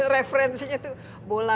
referensinya itu bola